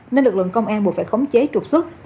nên lực lượng công an buộc phải khống chế trục xuất